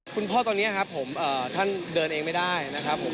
คุณพ่อตอนนี้ครับผมท่านเดินเองไม่ได้นะครับผม